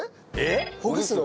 ほぐすの？